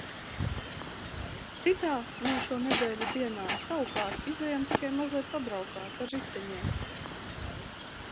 Citā no šo nedēļu dienām, savukārt, izejam tikai mazliet pabraukāt ar riteņiem.